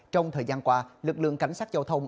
trong thời gian qua lực lượng cảnh sát giao thông